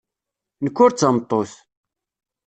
Nekk ur d tameṭṭut.